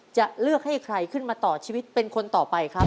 จะเลือกให้ใครขึ้นมาต่อชีวิตเป็นคนต่อไปครับ